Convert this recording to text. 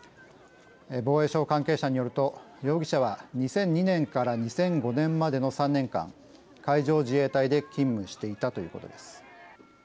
防衛省関係者によると容疑者は２００２年から２００５年までの３年間海上自衛隊で勤務していたということです。